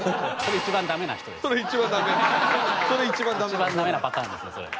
一番ダメなパターンですねそれ。